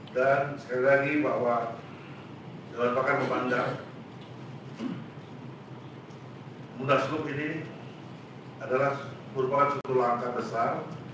dan sekali lagi bahwa dewan pakar memandang mudah suduh ini adalah berbagai suatu langkah besar